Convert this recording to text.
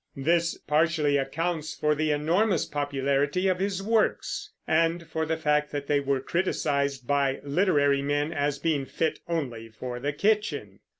This partially accounts for the enormous popularity of his works, and for the fact that they were criticised by literary men as being "fit only for the kitchen."